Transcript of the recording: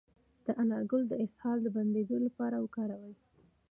د انار ګل د اسهال د بندیدو لپاره وکاروئ